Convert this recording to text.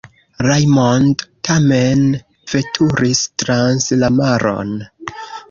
Rajmondo tamen veturis trans la maron.